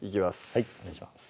はいお願いします